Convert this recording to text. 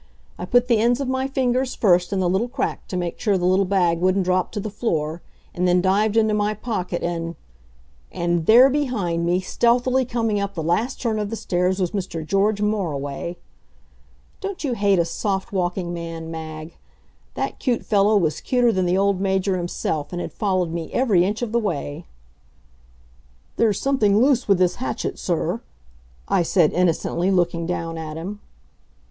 I put the ends of my fingers first in the little crack to make sure the little bag wouldn't drop to the floor, and then dived into my pocket and And there behind me, stealthily coming up the last turn of the stairs was Mr. George Moriway! Don't you hate a soft walking man, Mag? That cute fellow was cuter than the old Major himself, and had followed me every inch of the way. "There's something loose with this hatchet, sir," I said, innocently looking down at him.